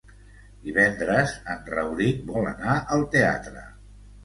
Divendres en Rauric vol anar al teatre.